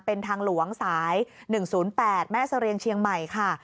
เป็นทางหลวงสาย๑๐๘แม่เสรียงเชียงใหม่ค่ะ